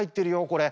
これ。